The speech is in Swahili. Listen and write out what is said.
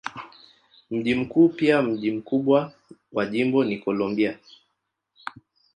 Mji mkuu pia mji mkubwa wa jimbo ni Columbia.